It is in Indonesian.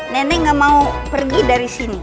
nenek gak mau pergi dari sini